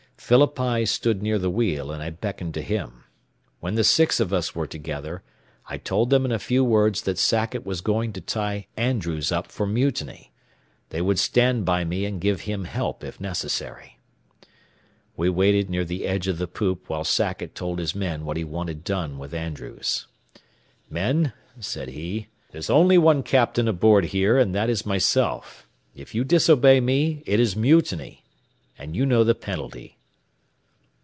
Phillippi stood near the wheel, and I beckoned to him. When the six of us were together, I told them in a few words that Sackett was going to tie Andrews up for mutiny. They would stand by me and give him help if necessary. We waited near the edge of the poop while Sackett told his men what he wanted done with Andrews. "Men," said he, "there's only one captain aboard here, and that is myself. If you disobey me, it is mutiny, and you know the penalty."